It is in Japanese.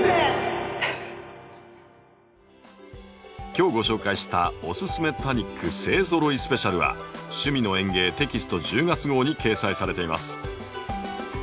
今日ご紹介した「おススメ多肉勢ぞろいスペシャル」は「趣味の園芸」テキスト１０月号に掲載されています。